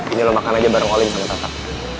ini lo makan aja bareng olim sama kakak